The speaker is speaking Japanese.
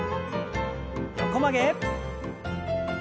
横曲げ。